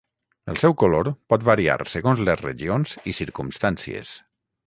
El seu color pot variar segons les regions i circumstàncies.